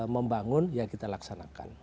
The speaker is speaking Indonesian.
membangun ya kita laksanakan